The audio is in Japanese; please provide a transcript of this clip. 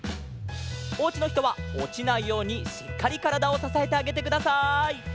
おうちのひとはおちないようにしっかりからだをささえてあげてください。